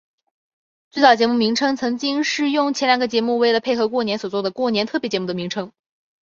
最早节目名称曾经是用前两个节目为了配合过年所做的过年特别节目的名称。